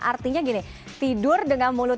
artinya gini tidur dengan mulut